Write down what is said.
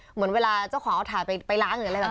เหมือนเวลาเจ้าของเอาถ่ายไปล้างหรืออะไรแบบนี้